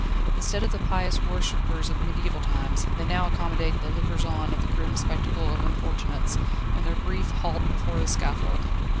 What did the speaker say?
Instead of the pious worshippers of mediaeval times, they now accommodate the lookers on of the grim spectacle of unfortunates, in their brief halt before the scaffold.